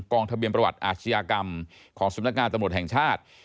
ทะเบียนประวัติอาชญากรรมของสำนักงานตำรวจแห่งชาติ